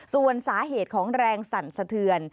ส่วนสาเหตุของแรงสั่นสะเทือน